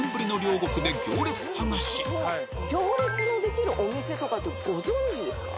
実に行列のできるお店とかってご存じですか？